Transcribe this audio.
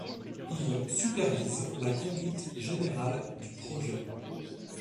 Il supervise la conduite générale du projet.